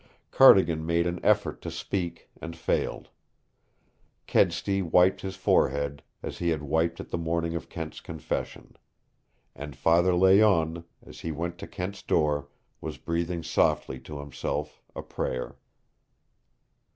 Cardigan made an effort to speak and failed. Kedsty wiped his forehead, as he had wiped it the morning of Kent's confession. And Father Layonne, as he went to Kent's door, was breathing softly to himself a prayer.